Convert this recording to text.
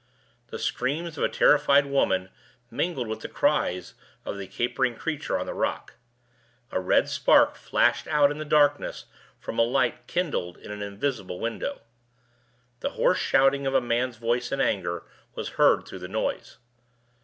The screams of a terrified woman mingled with the cries of the capering creature on the rock. A red spark flashed out in the darkness from a light kindled in an invisible window. The hoarse shouting of a man's voice in anger was heard through the noise.